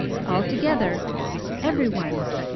All together! Everyone!